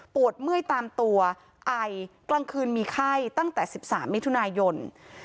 เมื่อยตามตัวไอกลางคืนมีไข้ตั้งแต่๑๓มิถุนายน